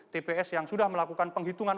tps yang sudah melakukan penghitungan